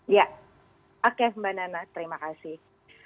ya oke mbak nana terima kasih